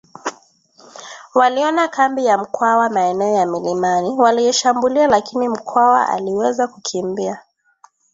waliona kambi ya Mkwawa maeneo ya milimani waliishambulia lakini Mkwawa aliweza kukimbia